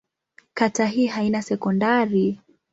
Kata hii haina sekondari.